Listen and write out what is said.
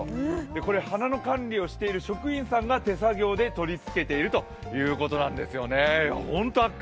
これ、花の管理をしている職員さんが手作業で取り付けているということなんですよね、ホント圧巻。